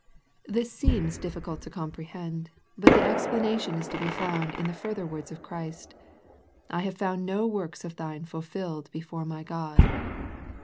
This seems difficult to comprehend, ^ut the explanation is to be found in the fur ther words of Christ. I have found no works of thine fulfilled, before My God."